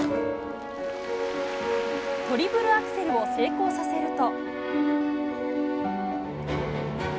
トリプルアクセルを成功させると。